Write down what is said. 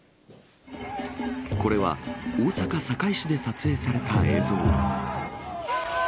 これは大阪・堺市で撮影された映像。